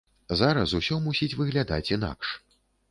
Зараз усё мусіць выглядаць інакш.